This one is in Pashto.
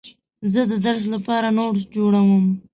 زه د درس لپاره نوټس جوړوم.